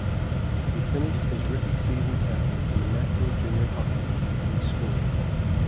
He finished his rookie season second in the Metro Junior Hockey League in scoring.